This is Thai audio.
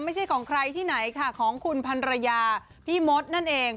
ไม่ใช่ของใครที่ไหนค่ะของคุณพันรยาพี่มดนั่นเอง